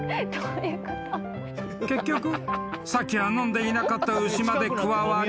［結局さっきは飲んでいなかった牛まで加わり］